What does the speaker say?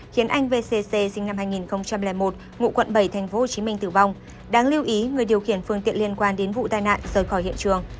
khiến anh vcc sinh năm hai nghìn một ngụ quận bảy tp hcm tử vong đáng lưu ý người điều khiển phương tiện liên quan đến vụ tai nạn rời khỏi hiện trường